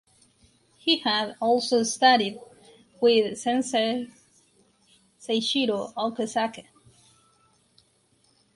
He had also studied with sensei Seishiro Okazaki.